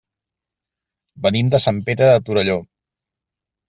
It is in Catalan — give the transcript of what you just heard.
Venim de Sant Pere de Torelló.